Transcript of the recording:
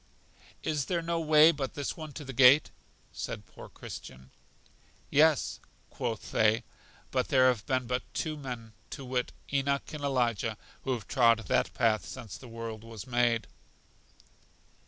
Is there no way but this one to the gate? said poor Christian. Yes, quoth they, but there have been but two men, to wit, Enoch and Elijah who have trod that path since the world was made.